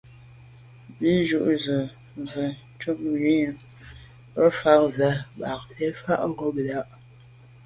Bí jú’ jú zə̄ mvə̌ cúp gí mbə́ fǎ cwɛ̀d mbásì fàá’ ngômnâ’.